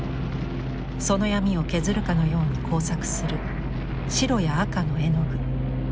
その闇を削るかのように交錯する白や赤の絵の具。